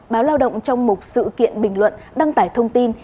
báo lao động trong một sự kiện bình luận đăng tải thông tin